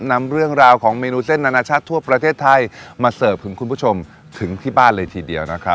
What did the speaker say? นำเรื่องราวของเมนูเส้นอนาชาติทั่วประเทศไทยมาเสิร์ฟถึงคุณผู้ชมถึงที่บ้านเลยทีเดียวนะครับ